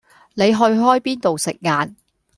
你去開邊度食晏